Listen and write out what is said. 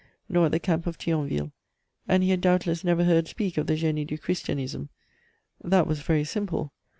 nor at the Camp of Thionville, and he had doubtless never heard speak of the Génie du Christianisme. That was very simple.